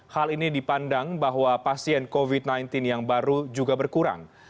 hal ini dipandang bahwa pasien covid sembilan belas yang baru juga berkurang